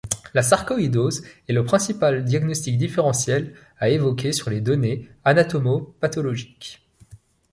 La sarcoïdose est le principal diagnostic différentiel à évoquer sur les données anatomopathologiques.